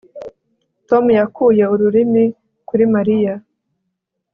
Tom yakuye ururimi kuri Mariya